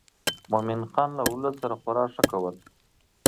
مومن خان له ولس سره خورا ښه کول.